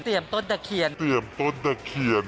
เตรียมต้นทะเขียน